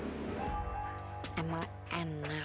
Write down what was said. bagaimana kalau kamu mengingat